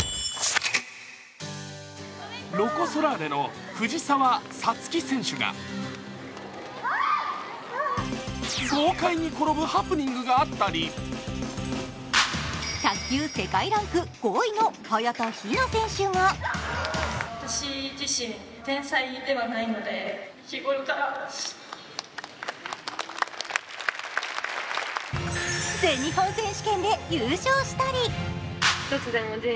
ロコ・ソラーレの藤澤五月選手が豪快に転ぶハプニングがあったり卓球世界ランク５位の早田ひな選手が全日本選手権で優勝したり！